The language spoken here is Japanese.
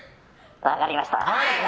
分かりました！